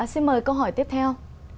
xin mời câu hỏi tiếp theo